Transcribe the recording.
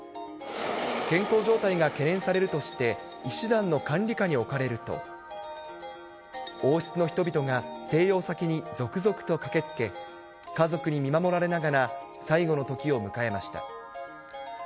健康状態が懸念されるとして、医師団の管理下に置かれると、王室の人々が静養先に続々と駆けつけ、家族に見守られながら、最期のときを迎えました。